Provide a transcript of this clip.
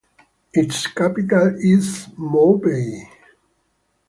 Its capital is Mobaye.